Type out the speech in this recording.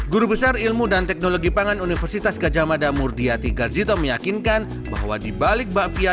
guru besar ilmu dan teknologi pangan universitas gajah mada murti yati garjito meyakinkan bahwa dibalik bakpia